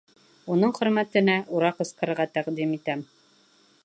Уның хөрмәтенә «ура» ҡысҡырырға тәҡдим итәм.